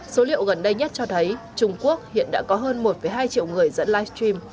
số liệu gần đây nhất cho thấy trung quốc hiện đã có hơn một hai triệu người dẫn livestream